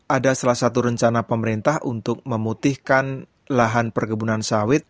ada salah satu rencana pemerintah untuk memutihkan lahan perkebunan sawit